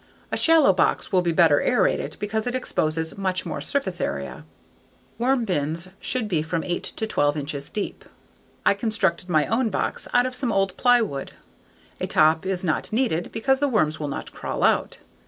A shallow box will be better aerated because it exposes much more surface area. Worm bins should be from eight to twelve inches deep. I constructed my own box out of some old plywood. A top is not needed because the worms will not crawl out.